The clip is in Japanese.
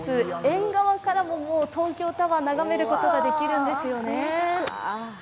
縁側からも東京タワーを眺めることができるんですよね。